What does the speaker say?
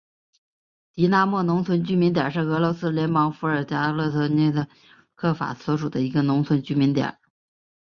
狄纳莫农村居民点是俄罗斯联邦伏尔加格勒州涅哈耶夫斯卡亚区所属的一个农村居民点。